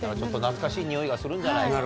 懐かしい匂いがするんじゃないか。